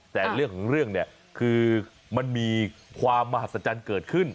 แต่เรื่องของเรื่องเนี่ยคือมันมีความมหัศจรรย์เกิดขึ้น